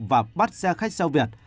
và bắt xe khách xeo việt